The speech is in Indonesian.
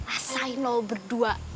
asahin lo berdua